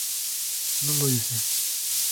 No lo hice.